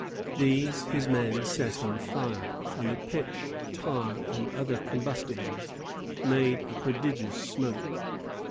These his men set on fire, and the pitch, tar, and other combustibles made a prodigious smoke.